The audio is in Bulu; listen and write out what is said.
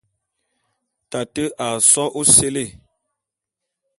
Tate a só ôséle.